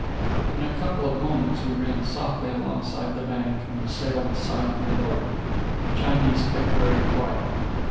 In a couple of minutes we ran softly alongside the bank, and the sail was silently lowered. The Chinese kept very quiet.